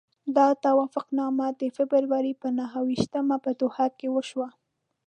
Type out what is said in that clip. دا توافقنامه د فبروري پر نهه ویشتمه په دوحه کې وشوه.